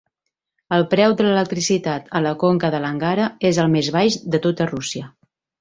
El preu de l'electricitat a la conca de l'Angara és el més baix de tota Rússia.